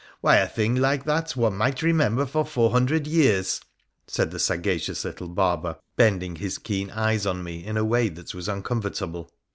Why, a thing like that one might remember for four hundred years !' said the sagacious little barber, bending his keen eyes on me in a way that was uncomfortable.